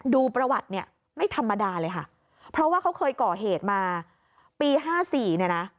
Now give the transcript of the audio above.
ดูประวัติเนี่ยไม่ธรรมดาเลยค่ะเพราะว่าเขาเคยก่อเหตุมาปี๕๔เนี่ยนะ